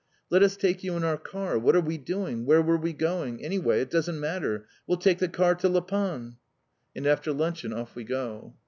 "Let us take you in our car! What are we doing? Where were we going? Anyway, it doesn't matter. We'll take the car to La Panne!" And after luncheon off we go.